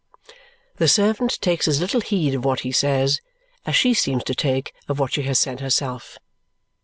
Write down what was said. The servant takes as little heed of what he says as she seems to take of what she has said herself.